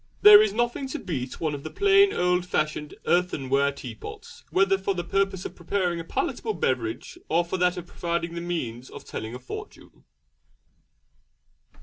There is nothing to beat one of the plain old fashioned earthenware teapots, whether for the purpose of preparing a palatable beverage or for that of providing the means of telling a fortune.